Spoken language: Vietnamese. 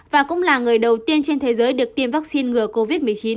và cũng là người đầu tiên trên thế giới được tiêm vaccine ngừa covid một mươi chín